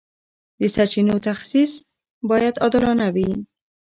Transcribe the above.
د سرچینو تخصیص باید عادلانه وي.